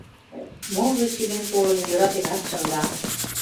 Можыч, илен-толын, йӧратенат шында.